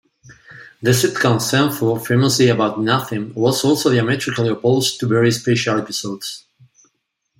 The sitcom "Seinfeld", famously "about nothing," was also diametrically opposed to very special episodes.